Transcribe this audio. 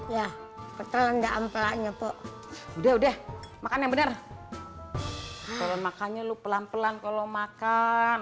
ya kecelan ga ampelannya tuh udah udah makan yang bener kalau makannya lu pelan pelan kalau makan